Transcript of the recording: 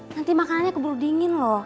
nanti makanannya keburu dingin loh